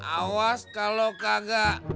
awas kalau kagak